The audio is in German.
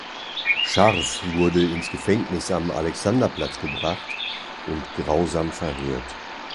Scharff wurde ins Gefängnis am Alexanderplatz gebracht und grausam verhört.